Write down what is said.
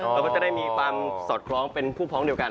เราก็จะได้มีความสอดคล้องเป็นผู้พร้อมเดียวกัน